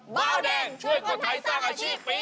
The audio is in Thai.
เบาแดงช่วยคนไทยสร้างอาชีพปี๒